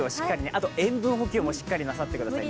あと塩分補給もしっかりなさってくださいね。